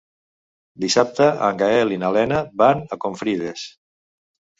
Dissabte en Gaël i na Lena van a Confrides.